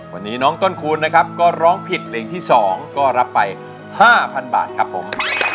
วันนี้น้องต้นคูณนะครับก็ร้องผิดเพลงที่๒ก็รับไป๕๐๐๐บาทครับผม